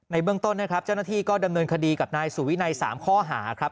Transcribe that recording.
เบื้องต้นนะครับเจ้าหน้าที่ก็ดำเนินคดีกับนายสุวินัย๓ข้อหาครับ